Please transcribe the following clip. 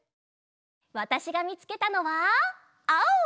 わたしがみつけたのはあお！